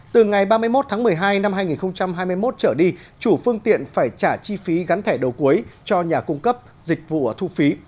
từ ngày ba mươi một tháng một mươi hai năm hai nghìn hai mươi một trở đi chủ phương tiện phải trả chi phí gắn thẻ đầu cuối cho nhà cung cấp dịch vụ thu phí